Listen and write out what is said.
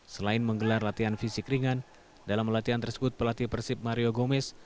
selain menggelar latihan fisik ringan dalam latihan tersebut pelatih persib mario gomez